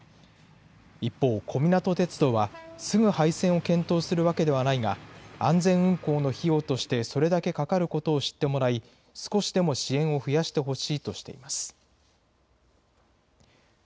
一方、小湊鐵道は、すぐ廃線を検討するわけではないが、安全運行の費用としてそれだけかかることを知ってもらい、少しでも支援を増やしてほしいとしています。